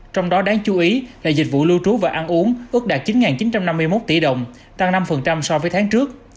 trong đó đáng chú ý là dịch vụ lưu trú và ăn uống ước đạt chín chín trăm năm mươi một tỷ đồng tăng năm so với tháng trước